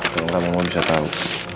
kalau gak mau mau bisa tau